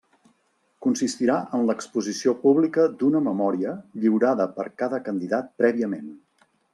Consistirà en l'exposició pública d'una memòria lliurada per cada candidat prèviament.